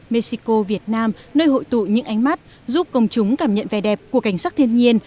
mexico việt nam nơi hội tụ những ánh mắt giúp công chúng cảm nhận vẻ đẹp của cảnh sắc thiên nhiên